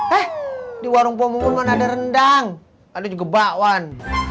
hah di warung pohon pohon ga ada rendang ada juga bakwan